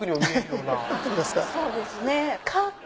そうですね。